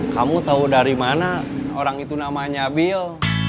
kamu tahu dari mana orang itu namanya bil